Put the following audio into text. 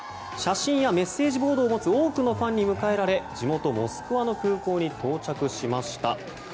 写真やメッセージボードを持つ多くのファンに迎えられ地元モスクワの空港に到着しました。